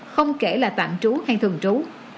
không kể là tạm trú hay thường trú